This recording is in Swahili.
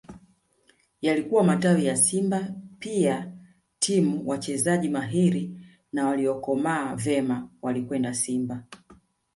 Yalikuwa matawi ya Simba pia timu wachezaji mahiri na waliokomaa vyema walikwenda Simba